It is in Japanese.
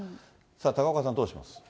さあ、高岡さん、どうします？